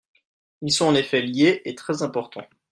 Ils sont en effet liés, et très importants.